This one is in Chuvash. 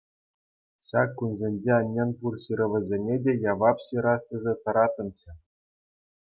Ҫак кунсенче аннен пур ҫырӑвӗсене те явап ҫырас тесе тӑраттӑмччӗ.